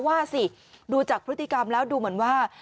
ว่าสิดูจากพฤติกรรมแล้วดูเหมือนว่า